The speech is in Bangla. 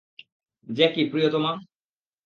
জ্যাকি, প্রিয়তমা!